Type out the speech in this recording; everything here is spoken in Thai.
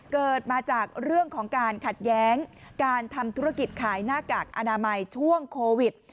เกิดมาจากเรื่องของการขัดแย้งการทำธุรกิจขายหน้ากากอนามัยช่วงโควิด